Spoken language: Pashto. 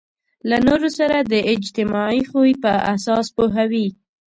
له نورو سره د اجتماعي خوی په اساس پوهوي.